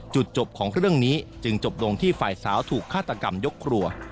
จุดจบของเรื่องนี้จึงจบลงที่ฝ่ายสาวถูกฆาตกรรมยกครัว